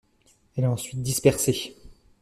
Elle est ensuite dispersée.